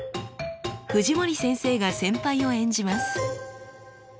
藤森先生が先輩を演じます。